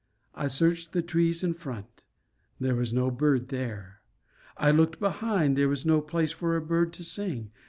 I searched the trees in front; there was no bird there. I looked behind; there was no place for a bird to sing.